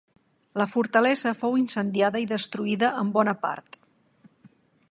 La fortalesa fou incendiada i destruïda en bona part.